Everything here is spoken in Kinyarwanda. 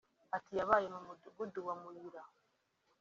Ati “Yabaye mu mudugudu wa Muyira